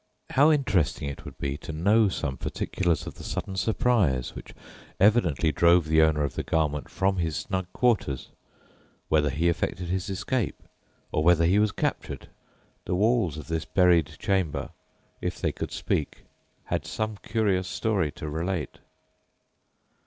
How interesting it would be to know some particulars of the sudden surprise which evidently drove the owner of the garment from his snug quarters whether he effected his escape, or whether he was captured! The walls of this buried chamber, if they could speak, had some curious story to relate.